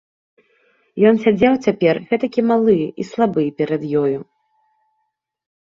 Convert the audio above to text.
Ён сядзеў цяпер гэтакі малы і слабы перад ёю.